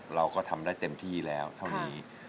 เราก็ทำได้เต็มที่แล้วเท่านี้